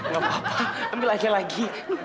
gak apa apa ambil aja lagi